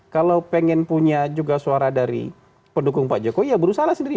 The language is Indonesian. kalau pengen punya juga suara dari pendukung pak jokowi ya berusahalah sendiri